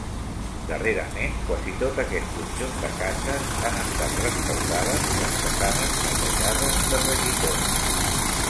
Darrerament quasi tot aquest conjunt de cases han estat restaurades i les façanes netejades d'afegitons.